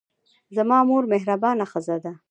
زما مور مهربانه ښځه ده.